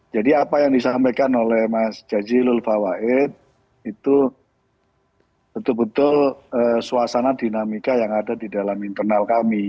jadi apa yang disampaikan oleh mas jazilul fawait itu betul betul suasana dinamika yang ada di dalam internal kami